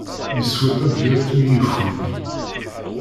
Yeswa tabyirt mi yefud.